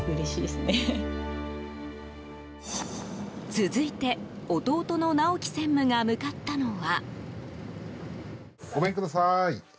続いて弟の直樹専務が向かったのは。